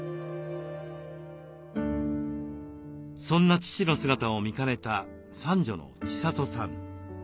そんな父の姿を見かねた三女の千里さん。